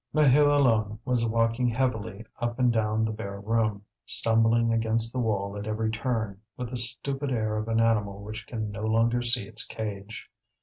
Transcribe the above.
Maheu alone was walking heavily up and down the bare room, stumbling against the wall at every turn, with the stupid air of an animal which can no longer see its cage.